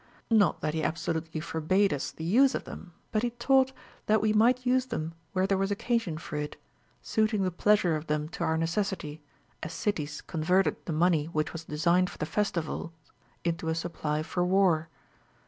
Not that he absolutely for bade us the use of them ; but he taught that we might use them Λvhere there Avas occasion for it, suiting the pleasure of them to our necessity, as cities converted the money which was designed for the festivals into a supply for war.